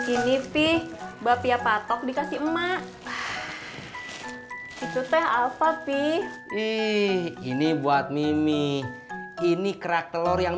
ini pih bapia patok dikasih emak itu teh alfa pi ini buat mimi ini kerak telur yang